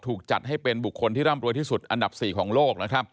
จัดให้เป็นบุคคลที่ร่ำรวยที่สุดอันดับ๔ของโลกนะครับ